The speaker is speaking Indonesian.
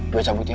gue cabut ya